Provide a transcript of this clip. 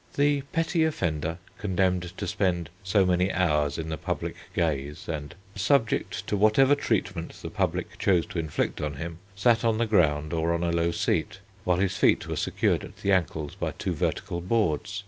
The petty offender, condemned to spend so many hours in the public gaze and subject to whatever treatment the public chose to inflict on him, sat on the ground or on a low seat, while his feet were secured at the ankles by two vertical boards.